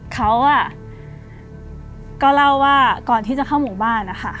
เขาก็เล่าว่าก่อนที่จะเข้าหมู่บ้านนะคะ